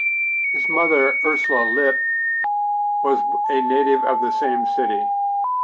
His mother, Ursula Lippe, was a native of the same city.